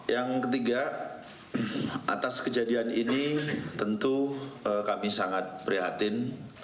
yang ketiga atas kejadian ini tentu kami sangat prihatin